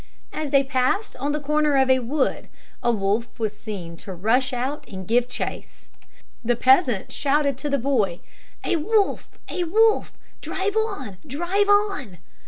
As they passed the corner of a wood, a wolf was seen to rush out of it and give chase. The peasant shouted to the boy, "A wolf, a wolf! Drive on, drive on!"